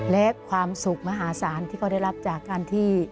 และความสุขมหาศาลที่เขาได้รับจากการที่